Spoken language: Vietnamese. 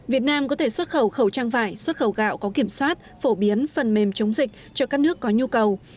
việt nam có thể xuất khẩu khẩu trang vải xuất khẩu gạo có kiểm soát phổ biến phần mềm chống dịch cho các nước có nhu cầu